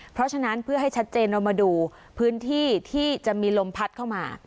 เพราะฉะนั้นเพื่อให้ชัดเจนเรามาดูพื้นที่ที่จะมีลมพัดเข้ามา